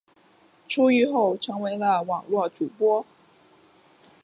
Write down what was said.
出狱后成为了网络主播。